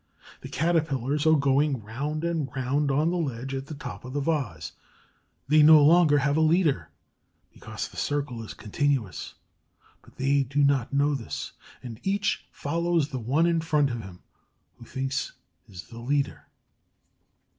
The Caterpillars are going round and round on the ledge at the top of the vase. They no longer have a leader, because the circle is continuous; but they do not know this, and each follows the one in front of him, who he thinks is the leader.